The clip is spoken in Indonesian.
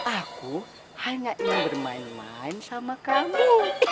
aku hanya ingin bermain main sama kamu